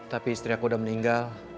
tapi istri aku udah meninggal